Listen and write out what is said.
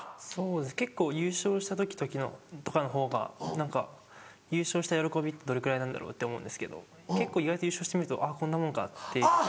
結構優勝した時とかのほうが何か優勝した喜びってどれくらいなんだろうって思うんですけど結構意外と優勝してみるとあっこんなもんかって。